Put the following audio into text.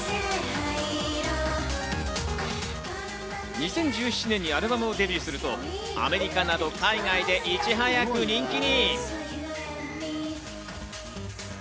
２０１７年にアルバムデビューすると、アメリカなど海外でいち早く人気に。